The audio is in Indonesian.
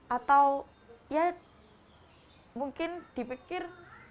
atau ya mungkin dipikir